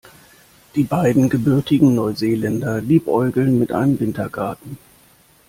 Die beiden gebürtigen Neuseeländer liebäugeln mit einem Wintergarten.